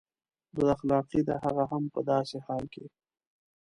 بد اخلاقي ده هغه هم په داسې حال کې.